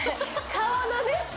顔のね